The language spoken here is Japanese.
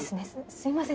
すいません